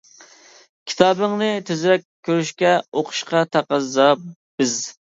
كىتابىڭنى تېزرەك كۆرۈشكە، ئوقۇشقا تەقەززا بىز.